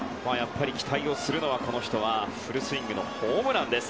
期待をするのは、この人のフルスイングのホームランです。